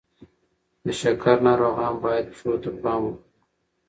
د شکر ناروغان باید پښو ته پام وکړي.